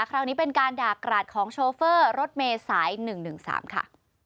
คราวนี้เป็นการด่ากราดของโชเฟอร์รถเมย์สายหนึ่งหนึ่งสามค่ะ